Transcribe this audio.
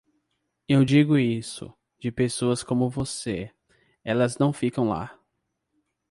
Eu digo isso; de pessoas como você, elas não ficam lá.